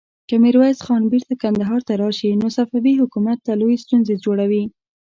که ميرويس خان بېرته کندهار ته راشي، نو صفوي حکومت ته لويې ستونزې جوړوي.